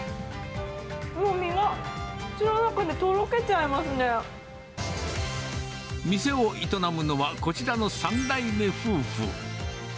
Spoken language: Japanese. もう身が口の中でとろけちゃ店を営むのは、こちらの３代目夫婦。